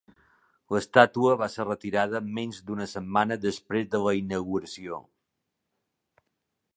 L'estàtua va ser retirada menys d'una setmana després de la inauguració.